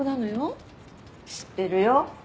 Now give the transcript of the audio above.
知ってるよ。